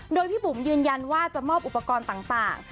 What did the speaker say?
โดยพี่บุ๋มยืนยันว่าจะมอบอุปกรณ์ต่าง